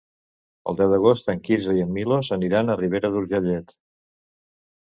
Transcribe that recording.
El deu d'agost en Quirze i en Milos aniran a Ribera d'Urgellet.